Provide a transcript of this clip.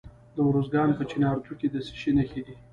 د ارزګان په چنارتو کې د څه شي نښې دي؟